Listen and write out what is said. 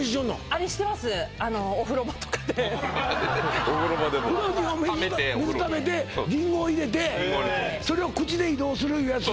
あれしてますお風呂場とかでお風呂場で風呂に水ためてリンゴを入れてそれを口で移動するいうやつ